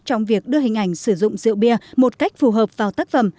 trong việc đưa hình ảnh sử dụng rượu bia một cách phù hợp vào tác phẩm